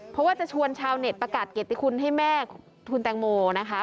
เพราะว่าจะชวนชาวเน็ตประกาศเกติคุณให้แม่คุณแตงโมนะคะ